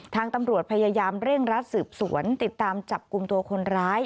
ทางตำรวจพยายามเร่งรัดสืบสวนติดตามจับกลุ่มตัวคนร้าย